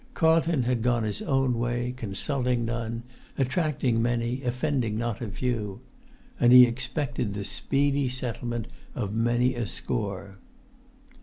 Carlton had gone his own way, consulting none, attracting many, offending not a few. And he expected the speedy settlement of many a score.